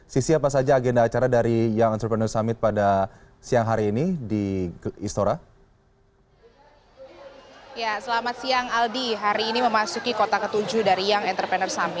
selaku penggagas acara ini dan juga ketua kami prener